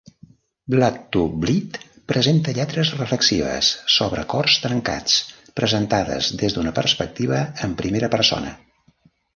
"Blood to Bleed" presenta lletres reflexives sobre cors trencats, presentades des d'una perspectiva en primera persona.